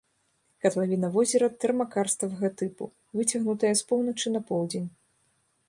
Катлавіна возера тэрмакарставага тыпу, выцягнутая з поўначы на поўдзень.